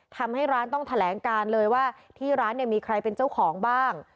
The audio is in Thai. ทำให้ร้านต้องแถลงการเลยว่าที่ร้านเนี่ยมีใครเป็นเจ้าของบ้าง